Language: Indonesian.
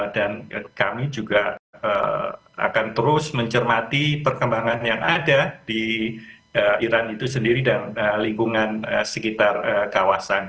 dan kami juga akan terus mencermati perkembangan yang ada di iran itu sendiri dan lingkungan sekitar kawasan